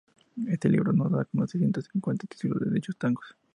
Este libro nos da a conocer ciento cincuenta títulos de dichos tangos.